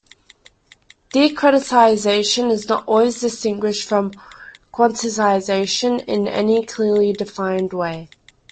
Discretization is not always distinguished from quantization in any clearly defined way.